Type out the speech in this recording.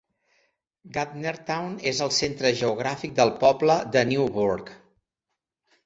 Gardnertown és el centre geogràfic del poble de Newburgh.